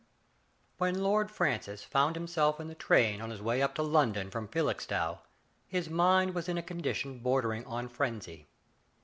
When Lord Francis found himself in the train on his way up to London from Felixstowe his mind was in a condition bordering on frenzy.